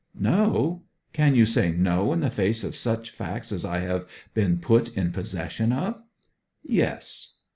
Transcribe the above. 'No? Can you say no in the face of such facts as I have been put in possession of?' 'Yes.'